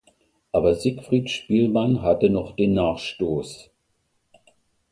Aber Siegfried Spielmann hatte noch den Nachstoß.